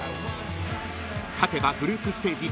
［勝てばグループステージ